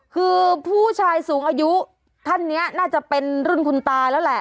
คือผู้ชายสูงอายุท่านนี้น่าจะเป็นรุ่นคุณตาแล้วแหละ